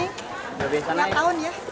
udah biasa naik